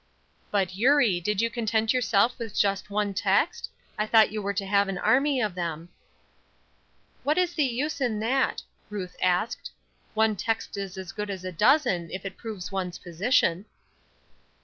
"But, Eurie, did you content yourself with just one text? I thought you were to have an army of them." "What is the use in that?" Ruth asked. "One text is as good as a dozen if it proves one's position."